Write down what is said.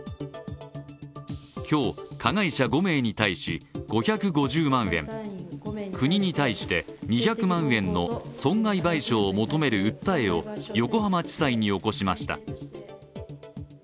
今日、加害者５名に対し５５０万円国に対して２００万円の損害賠償を求める訴えを横浜地裁に起こしました。